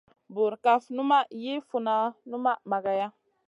Burkaf numa yi funa numa mageya.